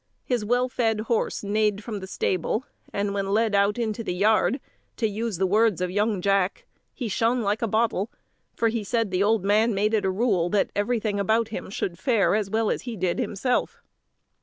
His well fed horse neighed from the stable, and when led out into the yard, to use the words of young Jack, "he shone like a bottle;" for he said the old man made it a rule that everything about him should fare as well as he did himself.